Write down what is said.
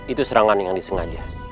itu serangan yang disengaja